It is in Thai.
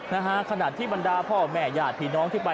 นะฮะขณะที่บรรดาพ่อแม่ญาติพี่น้องที่ไป